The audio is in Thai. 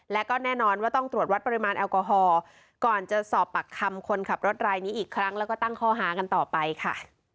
และก็แน่นอนว่าต้องตรวจวัดปริมาณแอลกอฮอล์ก่อนจะสอบปากคำคนขับรถรายนี้อีกครั้งแล้วก็ตั้งข้อหากันต่อไปค่ะ